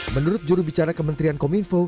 menurut jurubicara kementerian kominfo